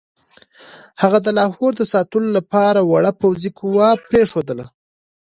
هغه د لاهور د ساتلو لپاره وړه پوځي قوه پرېښودله.